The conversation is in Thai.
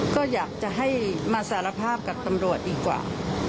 ก็อยากจะให้มาสารภาพกับตำรวจดีกว่า